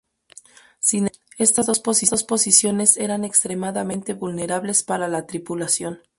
Sin embargo, estas dos posiciones eran extremadamente vulnerables para la tripulación.